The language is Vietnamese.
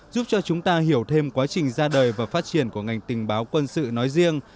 giúp cho chúng ta hiểu thêm quá trình ra đời và phát triển của ngành tình báo quân sự nói riêng